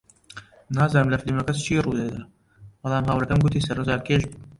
نازانم لە فیلمەکە چی ڕوودەدات، بەڵام هاوڕێکەم گوتی سەرنجڕاکێش بوو.